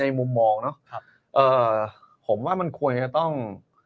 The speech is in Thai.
ในมุมมองเนาะผมว่ามันควรจะต้อง